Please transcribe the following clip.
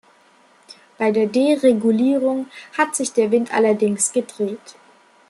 Bei der Deregulierung hat sich der Wind allerdings gedreht.